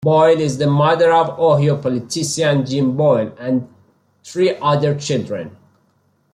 Boyle is the mother of Ohio politician Jim Boyle and three other children.